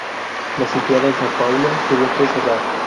La situada en São Paulo tuvo que cerrar.